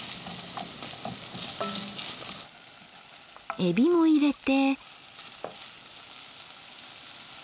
えびも入れて。